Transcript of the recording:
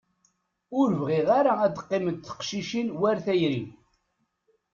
Ur bɣiɣ ara ad qqiment teqcicin war tayri.